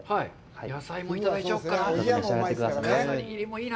野菜もいただいちゃおうかな。